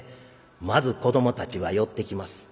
まず子どもたちは寄ってきます。